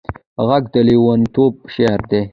غږ د لېونتوب شعر دی